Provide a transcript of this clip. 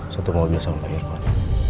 satu mobil sama pak irfan